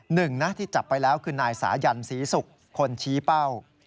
หนึ่งนะที่จับไปแล้วคือนายสายันศรีศุกร์คนชี้เป้า